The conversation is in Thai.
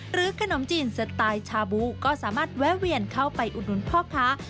ขนมจีนสไตล์ชาบูก็สามารถแวะเวียนเข้าไปอุดหนุนพ่อค้า